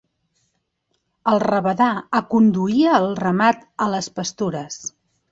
El rabadà aconduïa el ramat a les pastures.